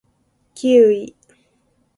キウイ